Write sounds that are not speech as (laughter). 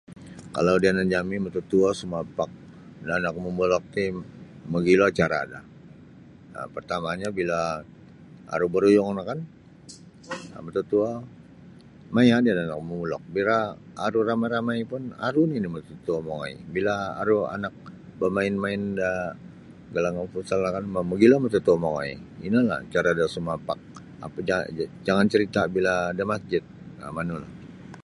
Kalau da yanan jami mototuo sumapak da anak-anak momulok ti mogilo cara do um partamanyo bila aru baruyung no kan (noise) um mototuo maya ni da ank momulok bila aru ramai-ramai pun aru nini mototuo mongoi bila aru anak bamain-main da galanggang futsal no kan mo-mogilo mototuo mongoi ino no caranyo sumapak apa jangan carita bila da masjid um manu lah.